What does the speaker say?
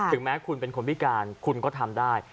แม้คุณเป็นคนพิการคุณก็ทำได้